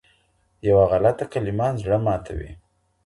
يوه غلطه کلمه زړه ماتوي.